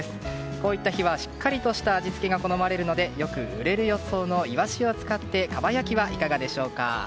こういった日はしっかりとした味が好まれるのでよく売れる予想のイワシを使ってかば焼きはいかがでしょうか。